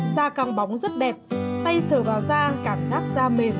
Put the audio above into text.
da căng bóng rất đẹp tay sờ vào da cảm giác da mềm và mọng nước